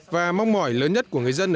và mong mỏi lớn nhất của người dân